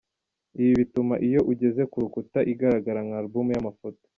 Ibi bituma iyo igeze ku rukuta igaragara nka album y’amafoto.